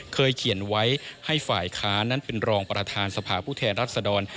เขียนไว้ให้ฝ่ายค้านั้นเป็นรองประธานสภาผู้แทนรัศดร